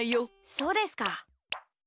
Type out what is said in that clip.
そうですか。